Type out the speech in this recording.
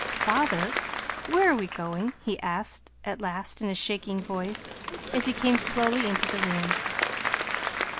"Father, where are we going?" he asked at last in a shaking voice, as he came slowly into the room.